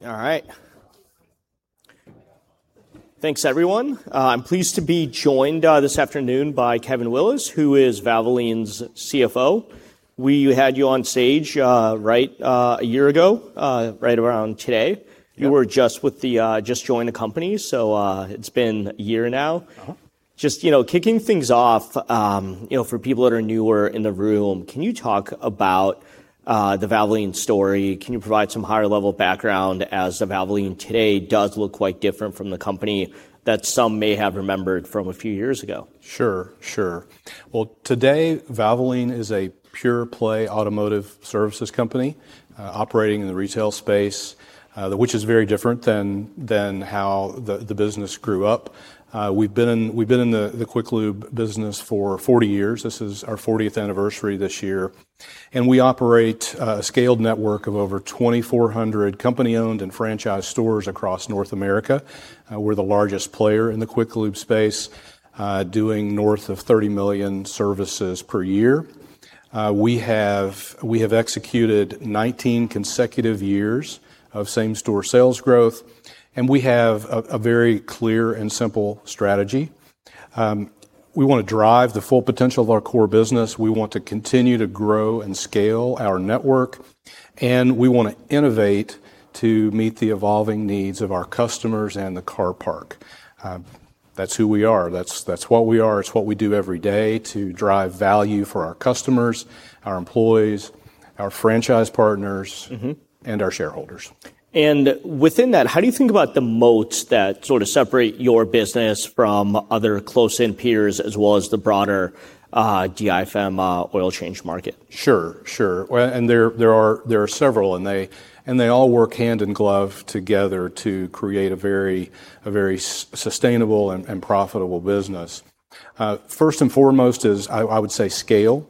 All right. Thanks everyone. I'm pleased to be joined this afternoon by Kevin Willis, who is Valvoline's CFO. We had you on stage, right, a year ago, right around today. You were just joined the company, so it's been a year now. Just kicking things off, for people that are newer in the room, can you talk about the Valvoline story? Can you provide some higher-level background as the Valvoline today does look quite different from the company that some may have remembered from a few years ago. Sure. Well, today, Valvoline is a pure play automotive services company operating in the retail space. Which is very different than how the business grew up. We've been in the quick lube business for 40 years. This is our 40th anniversary this year, and we operate a scaled network of over 2,400 company-owned and franchised stores across North America. We're the largest player in the quick lube space, doing north of 30 million services per year. We have executed 19 consecutive years of same-store sales growth, and we have a very clear and simple strategy. We want to drive the full potential of our core business. We want to continue to grow and scale our network, and we want to innovate to meet the evolving needs of our customers and the car parc. That's who we are. That's what we are. It's what we do every day to drive value for our customers, our employees, our franchise partners and our shareholders. Within that, how do you think about the moats that sort of separate your business from other close-in peers as well as the broader DIFM oil change market? Sure. Well, there are several, and they all work hand in glove together to create a very sustainable and profitable business. First and foremost is, I would say, scale.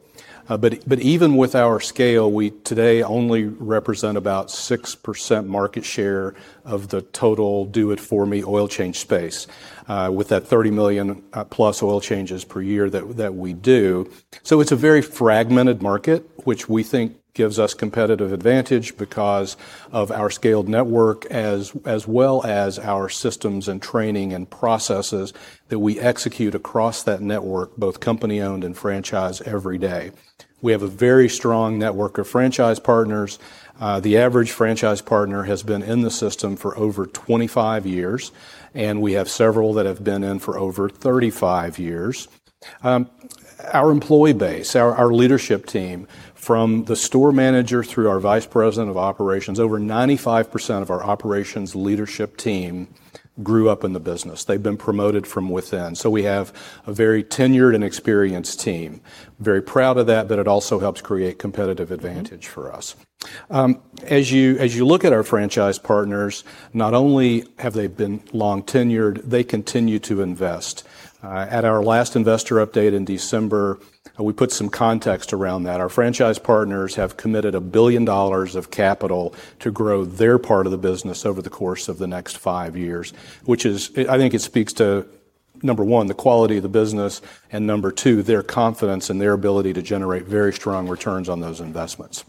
Even with our scale, we today only represent about 6% market share of the total Do It For Me oil change space, with that 30 million-plus oil changes per year that we do. It's a very fragmented market, which we think gives us competitive advantage because of our scaled network as well as our systems and training and processes that we execute across that network, both company-owned and franchise every day. We have a very strong network of franchise partners. The average franchise partner has been in the system for over 25 years, and we have several that have been in for over 35 years. Our employee base, our leadership team, from the store manager through our vice president of operations, over 95% of our operations leadership team grew up in the business. They've been promoted from within. We have a very tenured and experienced team. Very proud of that, but it also helps create competitive advantage for us. As you look at our franchise partners, not only have they been long tenured, they continue to invest. At our last investor update in December, we put some context around that. Our franchise partners have committed $1 billion of capital to grow their part of the business over the course of the next five years. Which is, I think it speaks to, number one, the quality of the business, and number two, their confidence in their ability to generate very strong returns on those investments.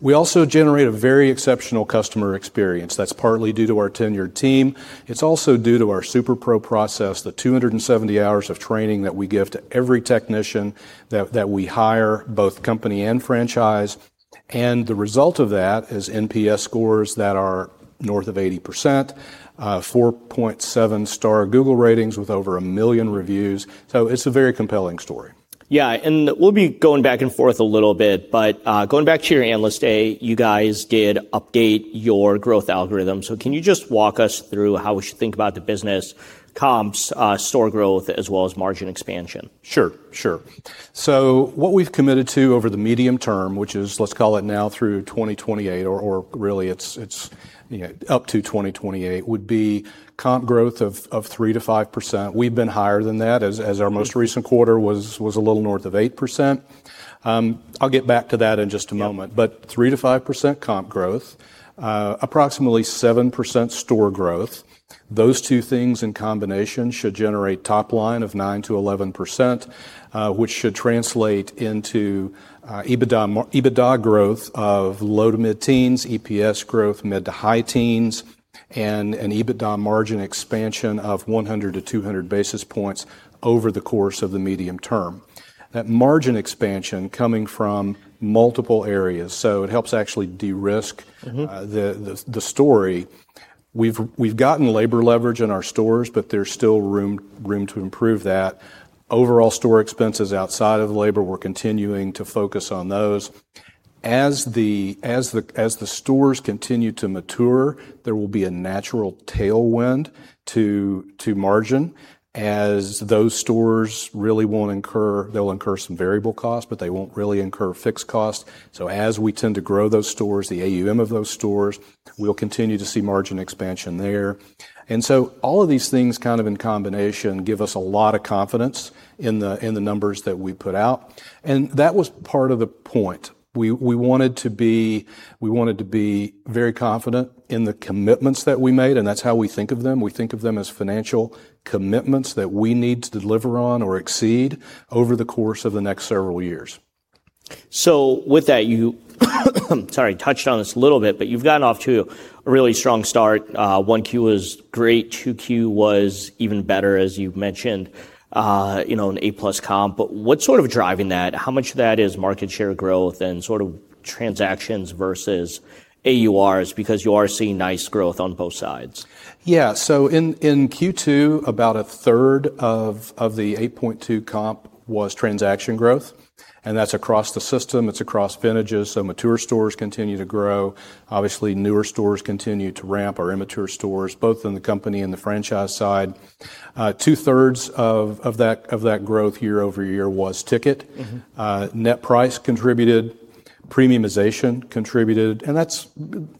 We also generate a very exceptional customer experience that's partly due to our tenured team. It's also due to our SuperPro process, the 270 hours of training that we give to every technician that we hire, both company and franchise. The result of that is NPS scores that are north of 80%, 4.7 star Google ratings with over 1 million reviews. It's a very compelling story. Yeah. We'll be going back and forth a little bit, but going back to your Analyst Day, you guys did update your growth algorithm. Can you just walk us through how we should think about the business comps, store growth, as well as margin expansion? Sure. What we've committed to over the medium term, which is let's call it now through 2028, or really it's up to 2028, would be comp growth of 3%-5%. We've been higher than that, as our most recent quarter was a little north of 8%. I'll get back to that in just a moment. 3%-5% comp growth, approximately 7% store growth. Those two things in combination should generate top line of 9%-11%, which should translate into EBITDA growth of low to mid-teens, EPS growth mid to high teens, and an EBITDA margin expansion of 100-200 basis points over the course of the medium term. That margin expansion coming from multiple areas, it helps actually de-risk the story. We've gotten labor leverage in our stores, but there's still room to improve that. Overall store expenses outside of labor, we're continuing to focus on those. As the stores continue to mature, there will be a natural tailwind to margin, as those stores will incur some variable costs, but they won't really incur fixed costs. As we tend to grow those stores, the AUV of those stores, we'll continue to see margin expansion there. All of these things kind of in combination give us a lot of confidence in the numbers that we put out. That was part of the point. We wanted to be very confident in the commitments that we made, and that's how we think of them. We think of them as financial commitments that we need to deliver on or exceed over the course of the next several years. With that, you touched on this a little bit, but you've gotten off to a really strong start. 1Q was great. 2Q was even better, as you've mentioned, an eight plus comp. What's sort of driving that? How much of that is market share growth and sort of transactions versus AURs? You are seeing nice growth on both sides. Yeah. In Q2, about a third of the 8.2 comp was transaction growth, and that's across the system, it's across vintages. Mature stores continue to grow. Obviously, newer stores continue to ramp. Our immature stores, both in the company and the franchise side. 2/3 of that growth year-over-year was ticket. Net price contributed, premiumization contributed.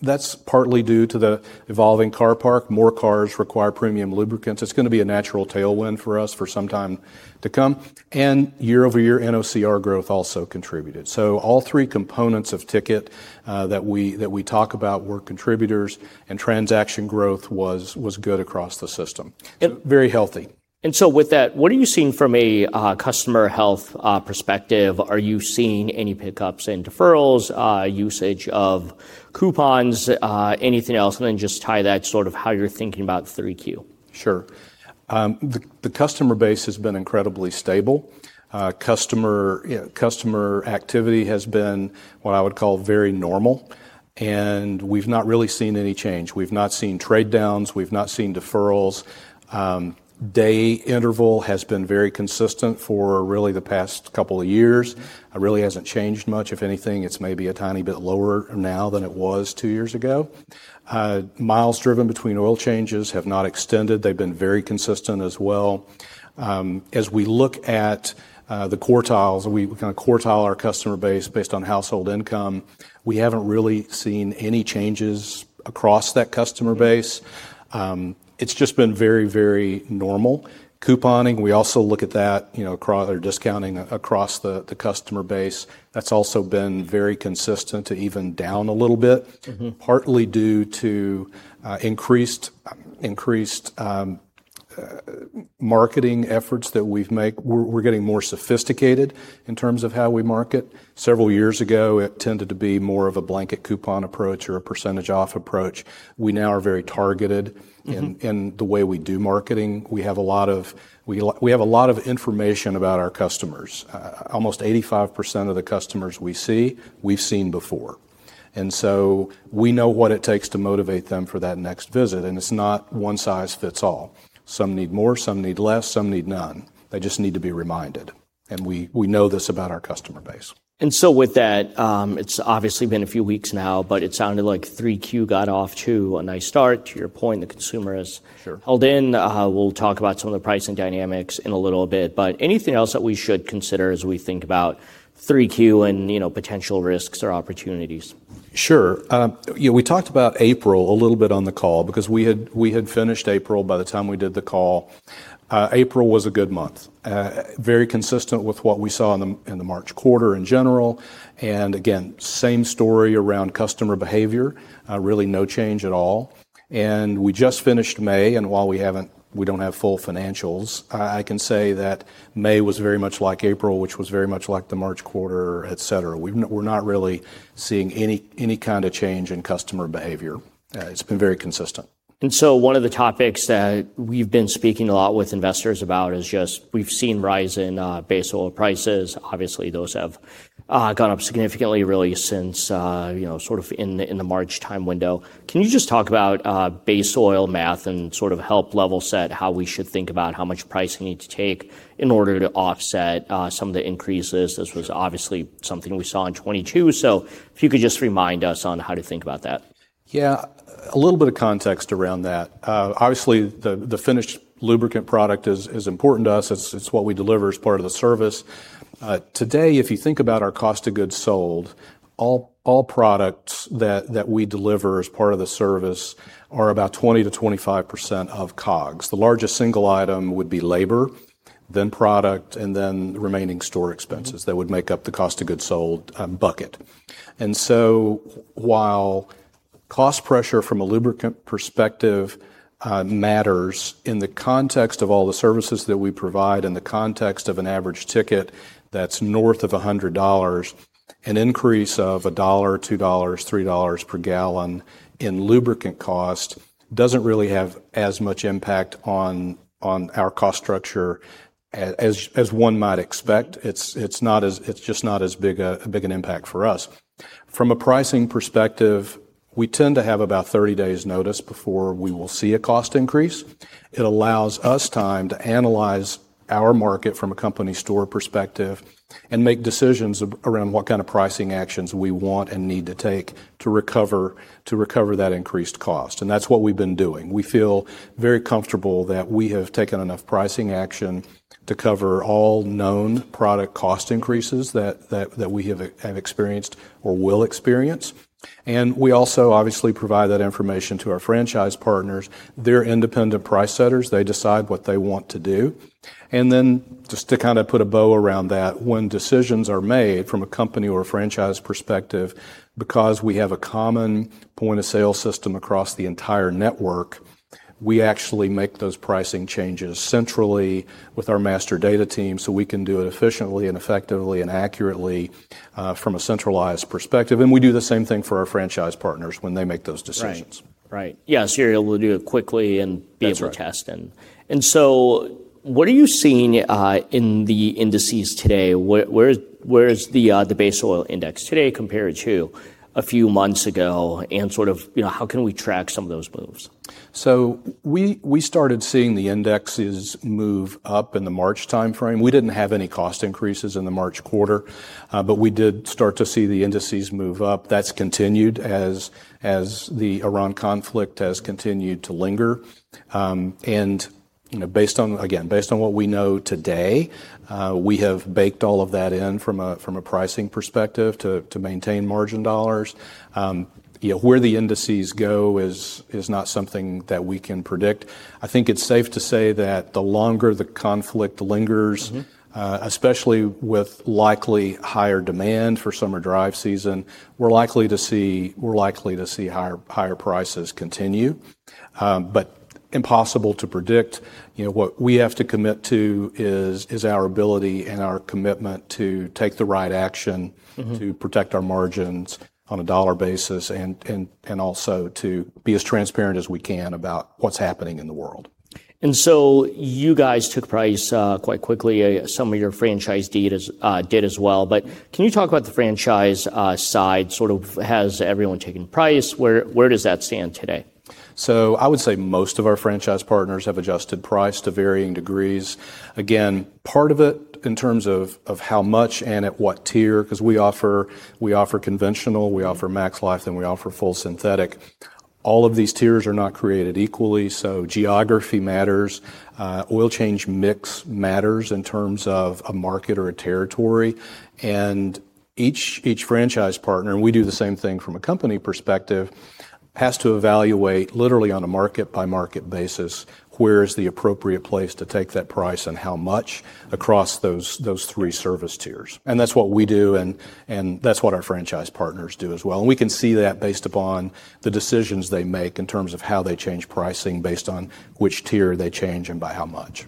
That's partly due to the evolving car park. More cars require premium lubricants. It's going to be a natural tailwind for us for some time to come. Year-over-year NOCR growth also contributed. All three components of ticket that we talk about were contributors, and transaction growth was good across the system. Very healthy. With that, what are you seeing from a customer health perspective? Are you seeing any pickups in deferrals, usage of coupons, anything else? Just tie that to sort of how you're thinking about 3Q. Sure. The customer base has been incredibly stable. Customer activity has been what I would call very normal, and we've not really seen any change. We've not seen trade downs. We've not seen deferrals. Day interval has been very consistent for really the past couple of years. It really hasn't changed much. If anything, it's maybe a tiny bit lower now than it was two years ago. Miles driven between oil changes have not extended. They've been very consistent as well. As we look at the quartiles, and we kind of quartile our customer base based on household income, we haven't really seen any changes across that customer base. It's just been very normal. Couponing, we also look at that, or discounting across the customer base. That's also been very consistent to even down a little bit. Partly due to increased marketing efforts that we've made. We're getting more sophisticated in terms of how we market. Several years ago, it tended to be more of a blanket coupon approach or a percentage off approach. We now are very targeted in the way we do marketing. We have a lot of information about our customers. Almost 85% of the customers we see, we've seen before. We know what it takes to motivate them for that next visit, and it's not one size fits all. Some need more, some need less, some need none. They just need to be reminded. We know this about our customer base. With that, it's obviously been a few weeks now, but it sounded like 3Q got off to a nice start held in. We'll talk about some of the pricing dynamics in a little bit. Anything else that we should consider as we think about 3Q and potential risks or opportunities? Sure. We talked about April a little bit on the call because we had finished April by the time we did the call. April was a good month. Very consistent with what we saw in the March quarter in general. Again, same story around customer behavior. Really no change at all. We just finished May, and while we don't have full financials, I can say that May was very much like April, which was very much like the March quarter, et cetera. We're not really seeing any kind of change in customer behavior. It's been very consistent. One of the topics that we've been speaking a lot with investors about is just we've seen rise in base oil prices. Obviously, those have gone up significantly, really since sort of in the March time window. Can you just talk about base oil math and sort of help level set how we should think about how much pricing you need to take in order to offset some of the increases? This was obviously something we saw in 2022. If you could just remind us on how to think about that. A little bit of context around that. Obviously, the finished lubricant product is important to us. It's what we deliver as part of the service. Today, if you think about our cost of goods sold, all products that we deliver as part of the service are about 20%-25% of COGS. The largest single item would be labor, then product, and then remaining store expenses that would make up the cost of goods sold bucket. While cost pressure from a lubricant perspective matters in the context of all the services that we provide, in the context of an average ticket that's north of $100, an increase of $1, $2, $3 per gallon in lubricant cost doesn't really have as much impact on our cost structure as one might expect. It's just not as big an impact for us. From a pricing perspective, we tend to have about 30 days notice before we will see a cost increase. It allows us time to analyze our market from a company store perspective and make decisions around what kind of pricing actions we want and need to take to recover that increased cost. That's what we've been doing. We feel very comfortable that we have taken enough pricing action to cover all known product cost increases that we have experienced or will experience. We also obviously provide that information to our franchise partners. They're independent price setters. They decide what they want to do. Just to kind of put a bow around that, when decisions are made from a company or a franchise perspective, because we have a common point-of-sale system across the entire network, we actually make those pricing changes centrally with our master data team so we can do it efficiently and effectively and accurately, from a centralized perspective. We do the same thing for our franchise partners when they make those decisions. Right. Right. Yeah, so you're able to do it quickly and be able to test. What are you seeing in the indices today? Where is the base oil index today compared to a few months ago and sort of how can we track some of those moves? We started seeing the indexes move up in the March timeframe. We didn't have any cost increases in the March quarter, but we did start to see the indices move up. That's continued as the Iran conflict has continued to linger. Again, based on what we know today, we have baked all of that in from a pricing perspective to maintain margin dollars. Where the indices go is not something that we can predict. I think it's safe to say that the longer the conflict lingers especially with likely higher demand for summer drive season, we're likely to see higher prices continue. Impossible to predict. What we have to commit to is our ability and our commitment to take the right action to protect our margins on a dollar basis, and also to be as transparent as we can about what's happening in the world. You guys took price quite quickly. Some of your franchisees did as well. Can you talk about the franchise side, sort of has everyone taken price? Where does that stand today? I would say most of our franchise partners have adjusted price to varying degrees. Again, part of it, in terms of how much and at what tier, because we offer conventional, we offer MaxLife, and we offer full synthetic. All of these tiers are not created equally, so geography matters. Oil change mix matters in terms of a market or a territory. Each franchise partner, and we do the same thing from a company perspective, has to evaluate literally on a market by market basis, where is the appropriate place to take that price and how much across those three service tiers. That's what we do and that's what our franchise partners do as well. We can see that based upon the decisions they make in terms of how they change pricing based on which tier they change and by how much.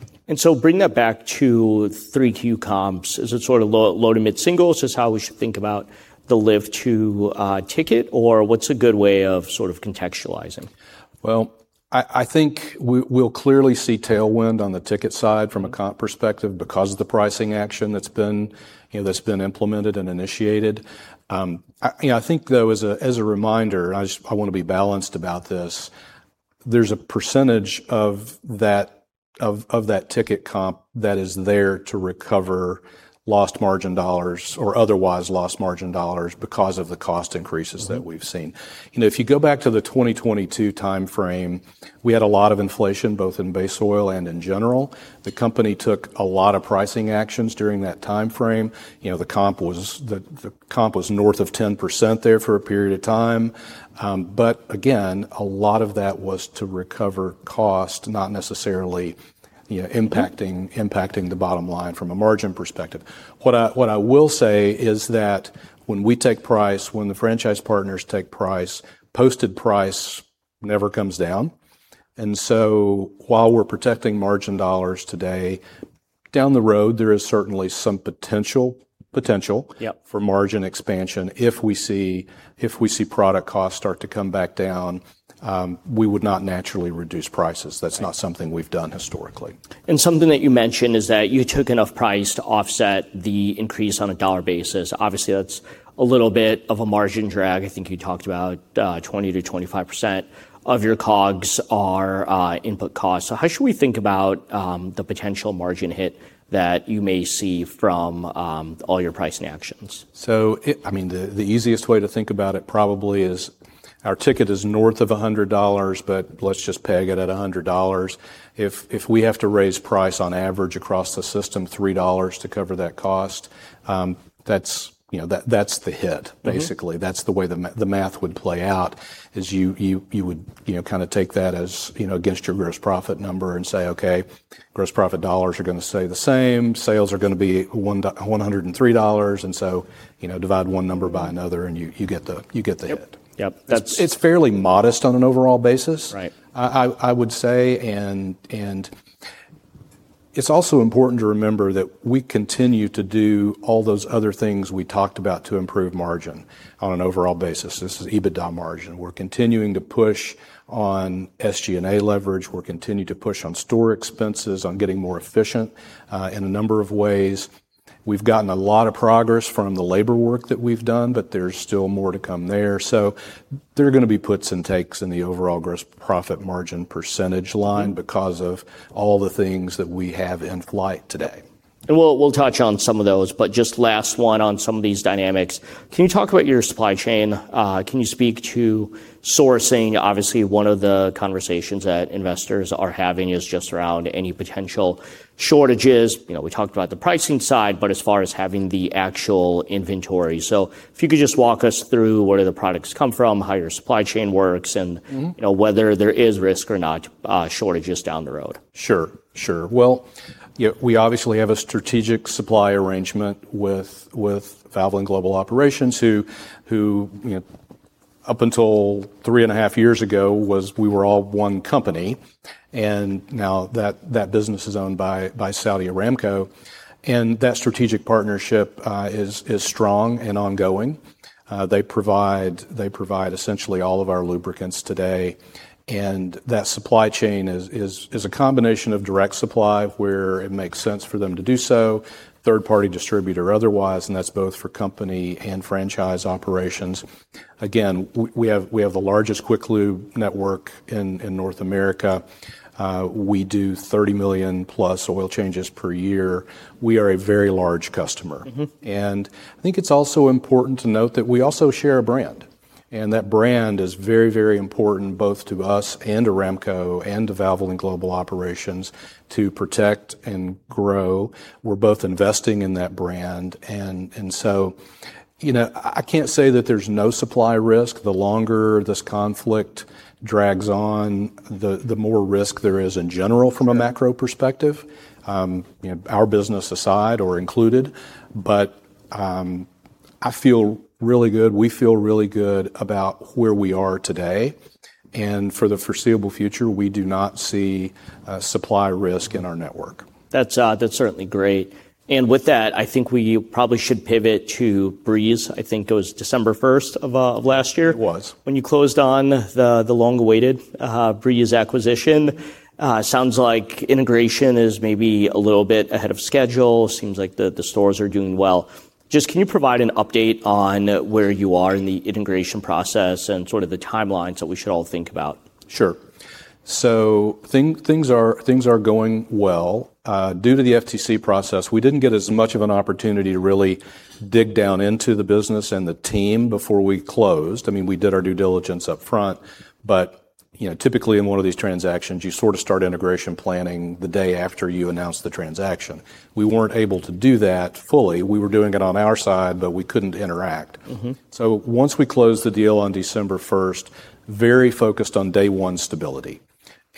Bring that back to 3Q comps. Is it sort of low to mid singles? Is this how we should think about the lift to ticket, or what's a good way of sort of contextualizing? I think we'll clearly see tailwind on the ticket side from a comp perspective because of the pricing action that's been implemented and initiated. I think though, as a reminder, I want to be balanced about this, there's a percentage of that ticket comp that is there to recover lost margin dollars or otherwise lost margin dollars because of the cost increases that we've seen. If you go back to the 2022 timeframe, we had a lot of inflation, both in base oil and in general. The company took a lot of pricing actions during that timeframe. The comp was north of 10% there for a period of time. Again, a lot of that was to recover cost, not necessarily impacting the bottom line from a margin perspective. What I will say is that when we take price, when the franchise partners take price, posted price never comes down. While we're protecting margin dollars today, down the road, there is certainly some potential for margin expansion if we see product costs start to come back down. We would not naturally reduce prices. That's not something we've done historically. Something that you mentioned is that you took enough price to offset the increase on a dollar basis. Obviously, that's a little bit of a margin drag. I think you talked about 20%-25% of your COGS are input costs. How should we think about the potential margin hit that you may see from all your pricing actions? The easiest way to think about it probably is our ticket is north of $100, but let's just peg it at $100. If we have to raise price on average across the system $3 to cover that cost, that's the hit, basically. That's the way the math would play out is you would kind of take that as against your gross profit number and say, "Okay, gross profit dollars are going to stay the same. Sales are going to be $103." Divide one number by another and you get the hit. Yep. It's fairly modest on an overall basis. Right. I would say, and it's also important to remember that we continue to do all those other things we talked about to improve margin on an overall basis. This is EBITDA margin. We're continuing to push on SG&A leverage. We're continuing to push on store expenses, on getting more efficient, in a number of ways. We've gotten a lot of progress from the labor work that we've done, but there's still more to come there. There are going to be puts and takes in the overall gross profit margin percentage line because of all the things that we have in flight today. We'll touch on some of those, but just last one on some of these dynamics. Can you talk about your supply chain? Can you speak to sourcing? Obviously, one of the conversations that investors are having is just around any potential shortages. We talked about the pricing side, but as far as having the actual inventory. If you could just walk us through where do the products come from, how your supply chain works. Whether there is risk or not shortages down the road. Sure. Well, we obviously have a strategic supply arrangement with Valvoline Global Operations, who up until three and a half years ago, we were all one company. Now that business is owned by Saudi Aramco, and that strategic partnership is strong and ongoing. They provide essentially all of our lubricants today. That supply chain is a combination of direct supply where it makes sense for them to do so, third-party distributor otherwise, and that's both for company and franchise operations. Again, we have the largest quick lube network in North America. We do 30 million plus oil changes per year. We are a very large customer. I think it's also important to note that we also share a brand, and that brand is very important both to us and Aramco and to Valvoline Global Operations to protect and grow. We're both investing in that brand. So I can't say that there's no supply risk. The longer this conflict drags on, the more risk there is in general from a macro perspective, our business aside or included. I feel really good, we feel really good about where we are today. For the foreseeable future, we do not see supply risk in our network. That's certainly great. With that, I think we probably should pivot to Breeze. I think it was December 1st of last year. It was When you closed on the long-awaited Breeze acquisition. Sounds like integration is maybe a little bit ahead of schedule. Seems like the stores are doing well. Just can you provide an update on where you are in the integration process and sort of the timelines that we should all think about? Sure. Things are going well. Due to the FTC process, we didn't get as much of an opportunity to really dig down into the business and the team before we closed. I mean, we did our due diligence up front, but typically in one of these transactions, you sort of start integration planning the day after you announce the transaction. We weren't able to do that fully. We were doing it on our side, but we couldn't interact. Once we closed the deal on December 1st, very focused on day one stability,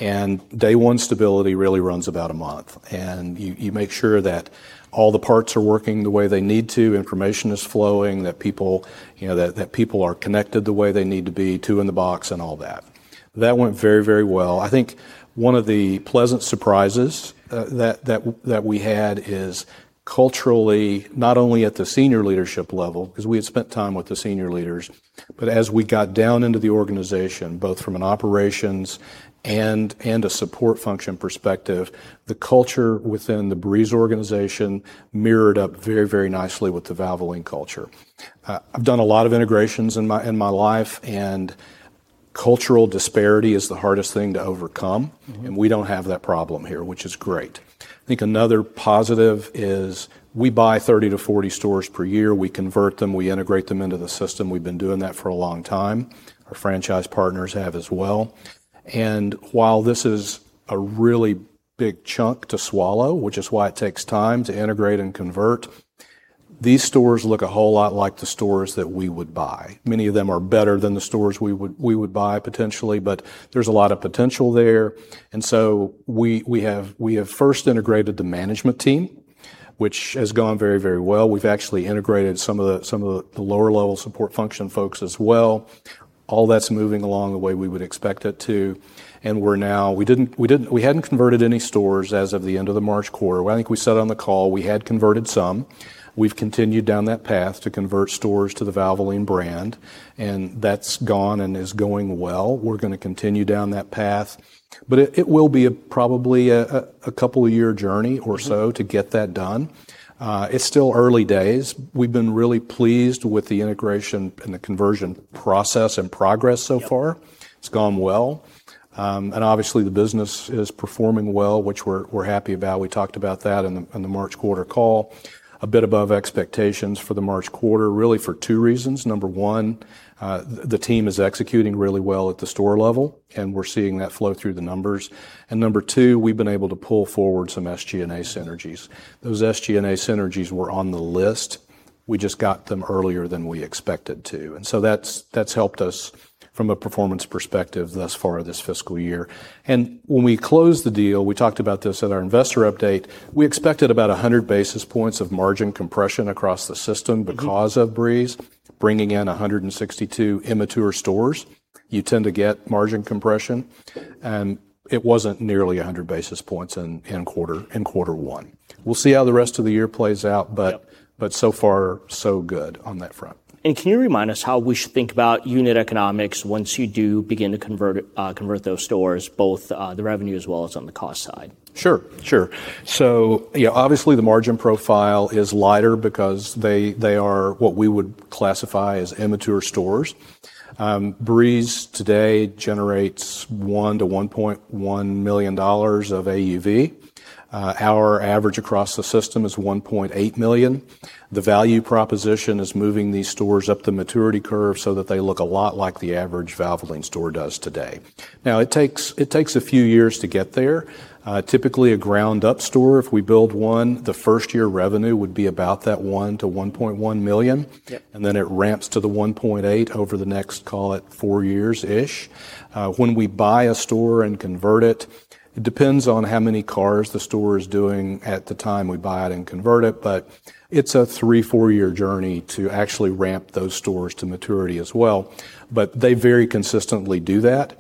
and day one stability really runs about a month. You make sure that all the parts are working the way they need to, information is flowing, that people are connected the way they need to be, two in the box and all that. That went very well. I think one of the pleasant surprises that we had is culturally, not only at the senior leadership level, because we had spent time with the senior leaders, but as we got down into the organization, both from an operations and a support function perspective, the culture within the Breeze organization mirrored up very nicely with the Valvoline culture. I've done a lot of integrations in my life, and cultural disparity is the hardest thing to overcome. We don't have that problem here, which is great. I think another positive is we buy 30 to 40 stores per year. We convert them, we integrate them into the system. We've been doing that for a long time. Our franchise partners have as well. While this is a really big chunk to swallow, which is why it takes time to integrate and convert, these stores look a whole lot like the stores that we would buy. Many of them are better than the stores we would buy potentially, but there's a lot of potential there. We have first integrated the management team, which has gone very well. We've actually integrated some of the lower-level support function folks as well. All that's moving along the way we would expect it to. We hadn't converted any stores as of the end of the March quarter. I think we said on the call we had converted some. We've continued down that path to convert stores to the Valvoline brand. That's gone and is going well. We're going to continue down that path. It will be probably a couple year journey or so to get that done. It's still early days. We've been really pleased with the integration and the conversion process and progress so far. Yep. It's gone well. Obviously the business is performing well, which we're happy about. We talked about that in the March quarter call, a bit above expectations for the March quarter, really for two reasons. Number one, the team is executing really well at the store level, and we're seeing that flow through the numbers. Number two, we've been able to pull forward some SG&A synergies. Those SG&A synergies were on the list. We just got them earlier than we expected to, and so that's helped us from a performance perspective thus far this fiscal year. When we closed the deal, we talked about this at our investor update, we expected about 100 basis points of margin compression across the system because of Breeze bringing in 162 immature stores. You tend to get margin compression, and it wasn't nearly 100 basis points in quarter one. We'll see how the rest of the year plays out. So far, so good on that front. Can you remind us how we should think about unit economics once you do begin to convert those stores, both the revenue as well as on the cost side? Sure. Obviously the margin profile is lighter because they are what we would classify as immature stores. Breeze today generates $1-1.1 million of AUV. Our average across the system is $1.8 million. The value proposition is moving these stores up the maturity curve so that they look a lot like the average Valvoline store does today. Now, it takes a few years to get there. Typically, a ground-up store, if we build one, the first-year revenue would be about that $1 -1.1 million. Then it ramps to the $1.8 million over the next, call it, four years-ish. When we buy a store and convert it depends on how many cars the store is doing at the time we buy it and convert it, but it's a three, four-year journey to actually ramp those stores to maturity as well. They very consistently do that.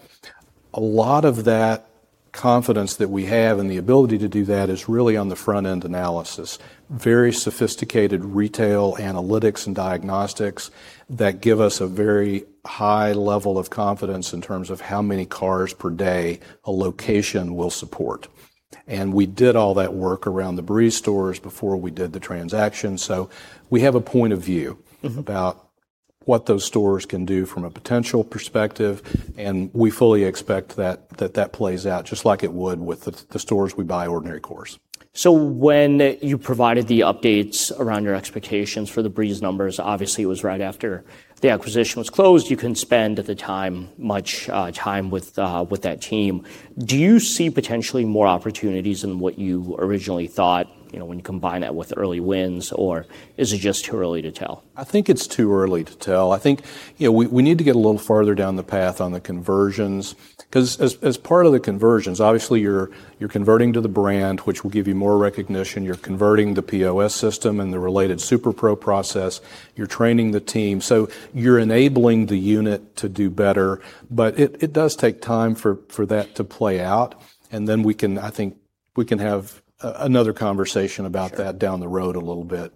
A lot of that confidence that we have and the ability to do that is really on the front-end analysis. Very sophisticated retail analytics and diagnostics that give us a very high level of confidence in terms of how many cars per day a location will support. We did all that work around the Breeze stores before we did the transaction. We have a point of view about what those stores can do from a potential perspective, and we fully expect that that plays out just like it would with the stores we buy ordinary course. When you provided the updates around your expectations for the Breeze numbers, obviously, it was right after the acquisition was closed. You couldn't spend at the time much time with that team. Do you see potentially more opportunities than what you originally thought when you combine that with early wins, or is it just too early to tell? I think it's too early to tell. I think we need to get a little farther down the path on the conversions because as part of the conversions, obviously, you're converting to the brand, which will give you more recognition. You're converting the POS system and the related SuperPro process. You're training the team. You're enabling the unit to do better, but it does take time for that to play out. We can, I think, have another conversation about that down the road a little bit.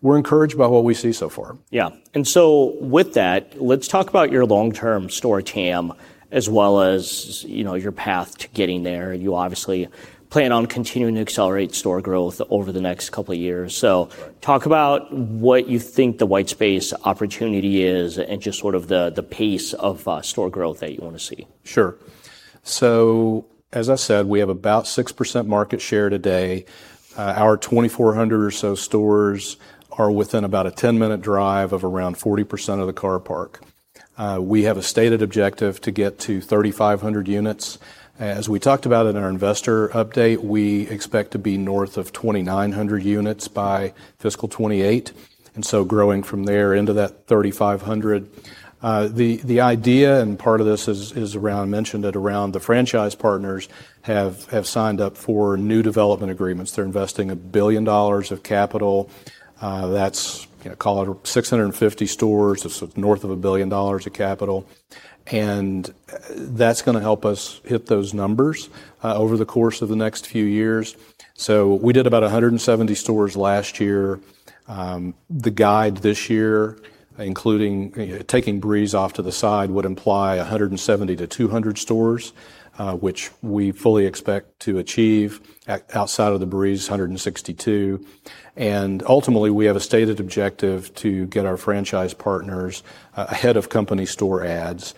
We're encouraged by what we see so far. Yeah. With that, let's talk about your long-term store TAM, as well as your path to getting there. You obviously plan on continuing to accelerate store growth over the next couple of years. Talk about what you think the white space opportunity is and just sort of the pace of store growth that you want to see. Sure. As I said, we have about 6% market share today. Our 2,400 or so stores are within about a 10-minute drive of around 40% of the car park. We have a stated objective to get to 3,500 units. As we talked about in our investor update, we expect to be north of 2,900 units by fiscal 2028, growing from there into that 3,500. The idea and part of this is around, I mentioned it around the franchise partners have signed up for new development agreements. They're investing $1 billion of capital. That's, call it, 650 stores. That's north of $1 billion of capital. That's going to help us hit those numbers over the course of the next few years. We did about 170 stores last year. The guide this year, including taking Breeze off to the side, would imply 170 stores-200 stores, which we fully expect to achieve. Outside of the Breeze, 162. Ultimately, we have a stated objective to get our franchise partners ahead of company store adds.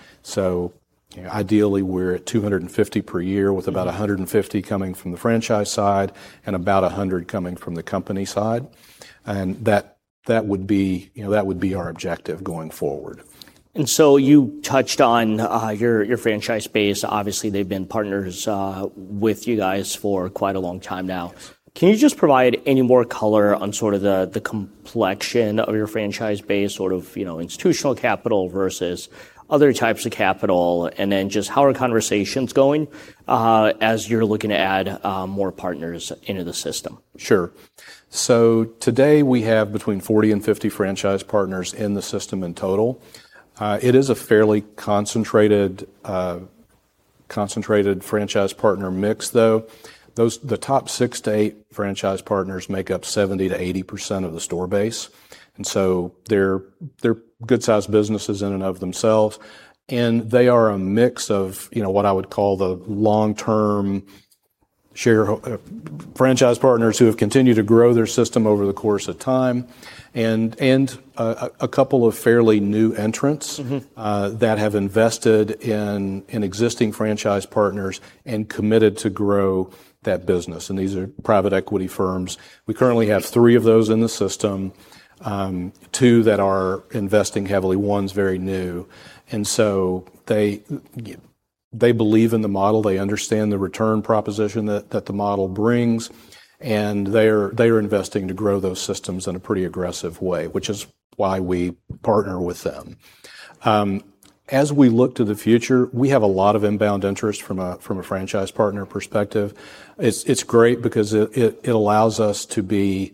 Ideally, we're at 250 per year, with about 150 coming from the franchise side and about 100 coming from the company side. That would be our objective going forward. You touched on your franchise base. Obviously, they've been partners with you guys for quite a long time now. Can you just provide any more color on sort of the complexion of your franchise base, sort of institutional capital versus other types of capital? Just how are conversations going as you're looking to add more partners into the system? Sure. Today, we have between 40 and 50 franchise partners in the system in total. It is a fairly concentrated franchise partner mix, though. The top six to eight franchise partners make up 70%-80% of the store base, they're good-sized businesses in and of themselves. They are a mix of what I would call the long-term franchise partners who have continued to grow their system over the course of time and a couple of fairly new entrants that have invested in existing franchise partners and committed to grow that business. These are private equity firms. We currently have three of those in the system, two that are investing heavily. One's very new. They believe in the model. They understand the return proposition that the model brings, and they are investing to grow those systems in a pretty aggressive way, which is why we partner with them. As we look to the future, we have a lot of inbound interest from a franchise partner perspective. It's great because it allows us to be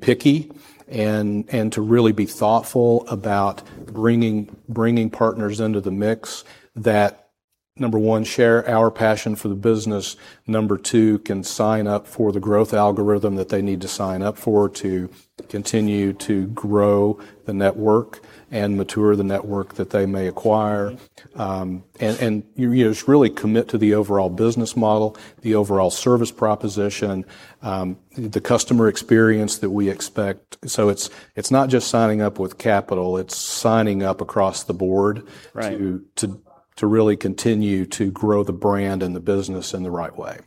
picky and to really be thoughtful about bringing partners into the mix that, number one, share our passion for the business, number two, can sign up for the growth algorithm that they need to sign up for to continue to grow the network and mature the network that they may acquire. Just really commit to the overall business model, the overall service proposition, the customer experience that we expect. It's not just signing up with capital, it's signing up across the board. To really continue to grow the brand and the business in the right way.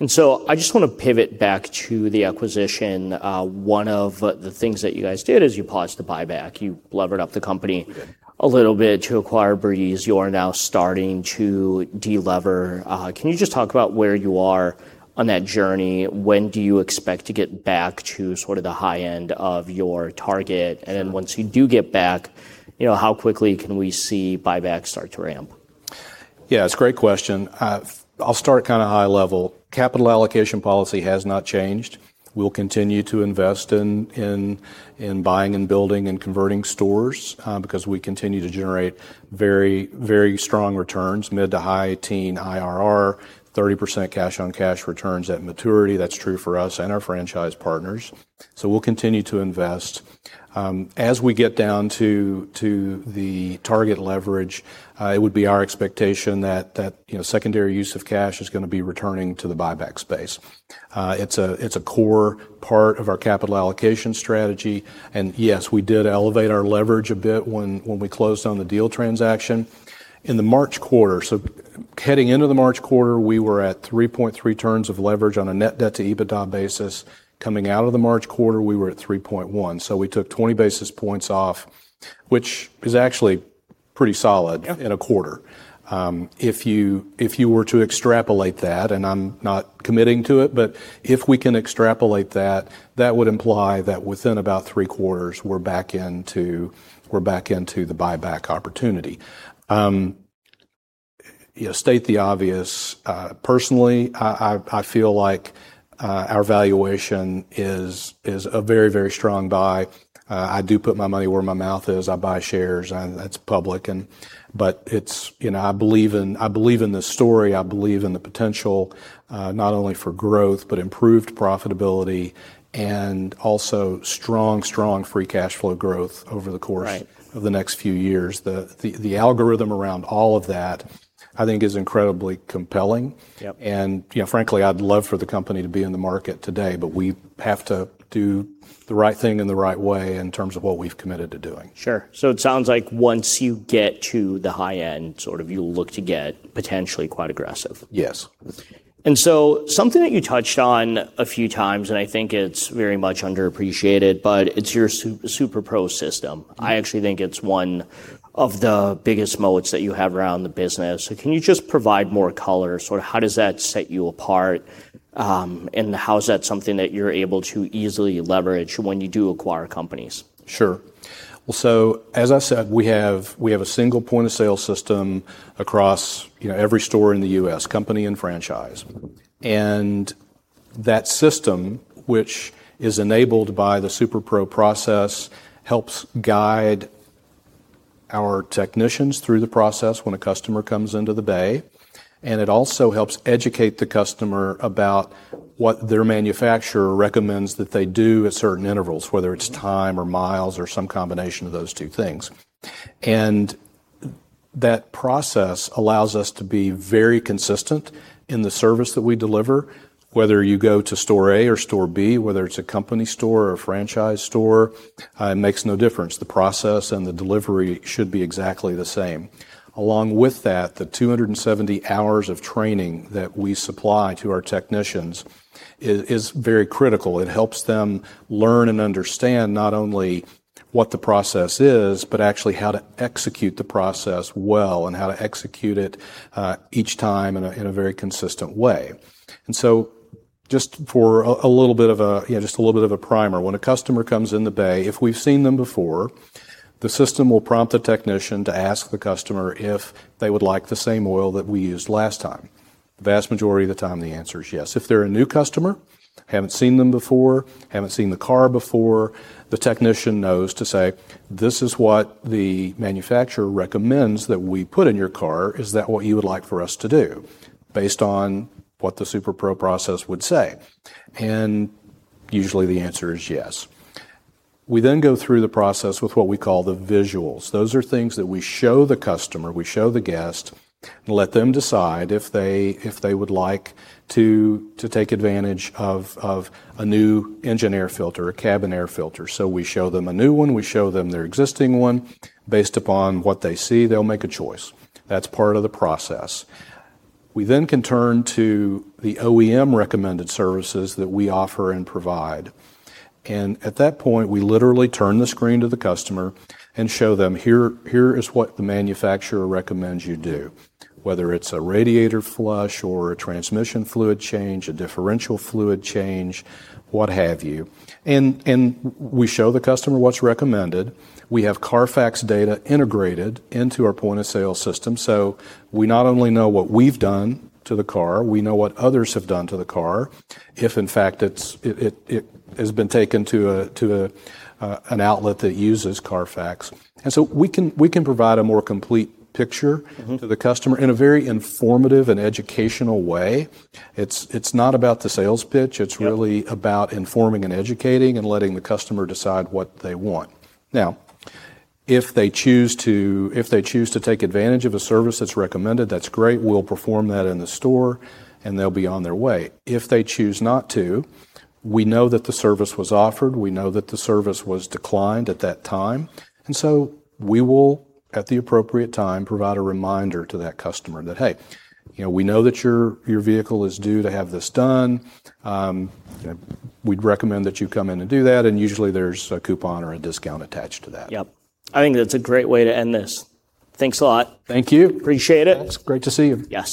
I just want to pivot back to the acquisition. One of the things that you guys did is you paused the buyback. You levered up the company a little bit to acquire Breeze. You are now starting to de-lever. Can you just talk about where you are on that journey? When do you expect to get back to sort of the high end of your target? Once you do get back, how quickly can we see buybacks start to ramp? Yeah, it's a great question. I'll start kind of high level. Capital allocation policy has not changed. We'll continue to invest in buying and building and converting stores, because we continue to generate very, very strong returns, mid to high teen IRR, 30% cash on cash returns at maturity. That's true for us and our franchise partners. We'll continue to invest. As we get down to the target leverage, it would be our expectation that secondary use of cash is going to be returning to the buyback space. It's a core part of our capital allocation strategy. Yes, we did elevate our leverage a bit when we closed on the deal transaction. In the March quarter, so heading into the March quarter, we were at 3.3 turns of leverage on a net debt to EBITDA basis. Coming out of the March quarter, we were at 3.1, so we took 20 basis points off, which is actually pretty solid in a quarter. If you were to extrapolate that, and I'm not committing to it, but if we can extrapolate that would imply that within about three quarters, we're back into the buyback opportunity. State the obvious, personally, I feel like our valuation is a very strong buy. I do put my money where my mouth is. I buy shares, and that's public. I believe in the story, I believe in the potential, not only for growth, but improved profitability and also strong free cash flow growth over the course of the next few years. The algorithm around all of that, I think, is incredibly compelling. Yep. I'd love for the company to be in the market today, but we have to do the right thing in the right way in terms of what we've committed to doing. Sure. It sounds like once you get to the high end, sort of you'll look to get potentially quite aggressive. Yes. Something that you touched on a few times, and I think it's very much underappreciated, but it's your SuperPro system. I actually think it's one of the biggest moats that you have around the business. Can you just provide more color, sort of how does that set you apart? How is that something that you're able to easily leverage when you do acquire companies? Sure. Well, as I said, we have a single point-of-sale system across every store in the U.S., company and franchise. That system, which is enabled by the SuperPro process, helps guide our technicians through the process when a customer comes into the bay, and it also helps educate the customer about what their manufacturer recommends that they do at certain intervals, whether it's time or miles or some combination of those two things. That process allows us to be very consistent in the service that we deliver, whether you go to store A or store B, whether it's a company store or a franchise store, it makes no difference. The process and the delivery should be exactly the same. Along with that, the 270 hours of training that we supply to our technicians is very critical. It helps them learn and understand not only what the process is, but actually how to execute the process well and how to execute it each time in a very consistent way. Just for a little bit of a primer, when a customer comes in the bay, if we've seen them before, the system will prompt the technician to ask the customer if they would like the same oil that we used last time. The vast majority of the time, the answer is yes. If they're a new customer, haven't seen them before, haven't seen the car before, the technician knows to say, "This is what the manufacturer recommends that we put in your car. Is that what you would like for us to do?" Based on what the SuperPro process would say. Usually the answer is yes. We then go through the process with what we call the visuals. Those are things that we show the customer, we show the guest, and let them decide if they would like to take advantage of a new engine air filter, a cabin air filter. We show them a new one, we show them their existing one. Based upon what they see, they'll make a choice. That's part of the process. We then can turn to the OEM recommended services that we offer and provide. At that point, we literally turn the screen to the customer and show them, "Here is what the manufacturer recommends you do," whether it's a radiator flush or a transmission fluid change, a differential fluid change, what have you. We show the customer what's recommended. We have Carfax data integrated into our point-of-sale system, so we not only know what we've done to the car, we know what others have done to the car, if in fact it has been taken to an outlet that uses Carfax. So we can provide a more complete picture to the customer in a very informative and educational way. It's not about the sales pitch. It's really about informing and educating and letting the customer decide what they want. Now, if they choose to take advantage of a service that's recommended, that's great. We'll perform that in the store, and they'll be on their way. If they choose not to, we know that the service was offered. We know that the service was declined at that time. We will, at the appropriate time, provide a reminder to that customer that, "Hey, we know that your vehicle is due to have this done. We'd recommend that you come in and do that," and usually there's a coupon or a discount attached to that. Yep. I think that's a great way to end this. Thanks a lot. Thank you. Appreciate it. It's great to see you. Yeah.